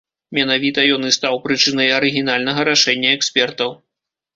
Менавіта ён і стаў прычынай арыгінальнага рашэння экспертаў.